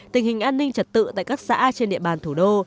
tình hình an ninh trật tự tại các xã trên địa bàn thủ đô